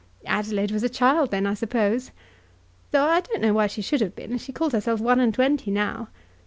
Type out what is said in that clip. Adelaide was a child then, I suppose. Though I don't know why she should have been, as she calls herself one and twenty now.